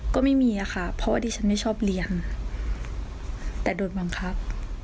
ก็ไม่มีค่ะเพราะว่าดิฉันไม่ชอบเลี้ยงแต่โดนบังคับ